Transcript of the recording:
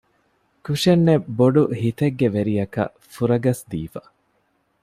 ކުށެއްނެތް ބޮޑު ހިތެއްގެ ވެރިޔަކަށް ފުރަގަސް ދީފަ